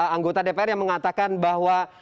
anggota dpr yang mengatakan bahwa